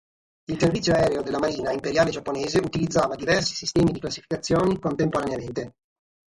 Il servizio aereo della marina imperiale giapponese utilizzava diversi sistemi di classificazione contemporaneamente.